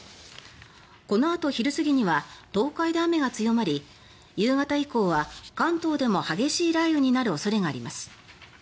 このあと昼過ぎには東海で雨が強まり夕方以降は関東でも激しい雷雨になる恐れがあります。